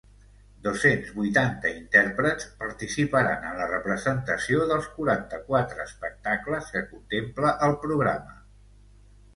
Dos-cents vuitanta intèrprets participaran en la representació dels quaranta-quatre espectacles que contempla el programa.